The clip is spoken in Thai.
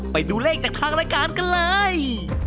ไปดูเลขจากทางรายการกันเลย